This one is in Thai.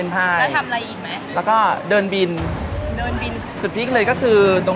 ลูกค้าก็มานั่งในร้านไม่ได้แล้วก็ยอดกระตบ